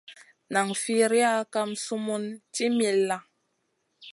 Nan firiya kam sumun ci milla.